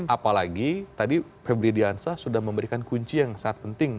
apalagi tadi febri diansah sudah memberikan kunci yang sangat penting